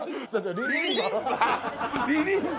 リリンバ！